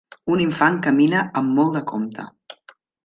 Un infant camina amb molt de compte.